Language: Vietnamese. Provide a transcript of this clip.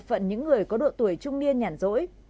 phận những người có độ tuổi trung niên nhản rỗi